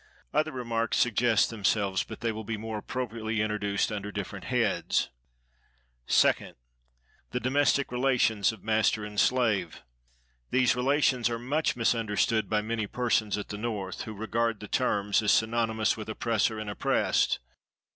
Other remarks suggest themselves, but they will be more appropriately introduced under different heads. 2d. "The domestic relations of master and slave."—These relations are much misunderstood by many persons at the North, who regard the terms as synonymous with oppressor and oppressed.